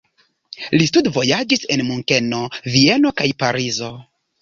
Li studvojaĝis en Munkeno, Vieno kaj Parizo.